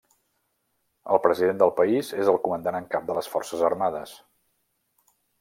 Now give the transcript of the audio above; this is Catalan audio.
El president del país és el Comandant en Cap de les Forces Armades.